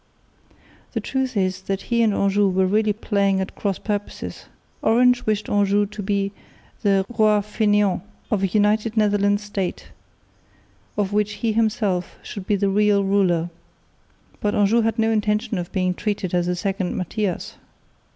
The truth is that he and Anjou were really playing at cross purposes. Orange wished Anjou to be the roi fainéant of a United Netherland state of which he himself should be the real ruler, but Anjou had no intention of being treated as a second Matthias.